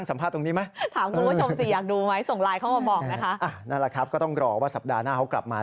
นั่นแหละครับก็ต้องรอว่าสัปดาห์หน้าเขากลับมา